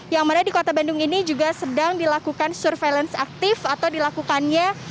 yang mana di kota bandung ini juga sedang dilakukan surveillance aktif atau dilakukannya